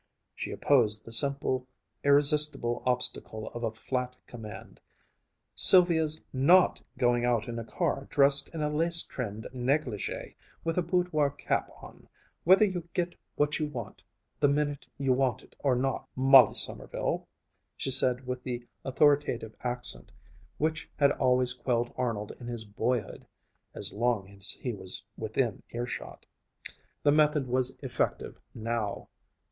She opposed the simple irresistible obstacle of a flat command. "Sylvia's not going out in a car dressed in a lace trimmed négligée, with a boudoir cap on, whether you get what you want the minute you want it or not, Molly Sommerville," she said with the authoritative accent which had always quelled Arnold in his boyhood (as long as he was within earshot). The method was effective now.